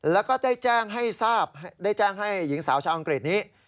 แล้วก็ได้แจ้งให้หญิงสาวชาวอังกฤษนี้